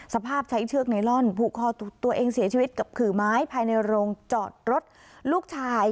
สภาพใช้เชือกไนลอนผูกคอตัวเองเสียชีวิตกับขื่อไม้ภายในโรงจอดรถลูกชาย